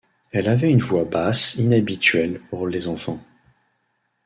Elle avait une voix basse inhabituelle pour les enfants.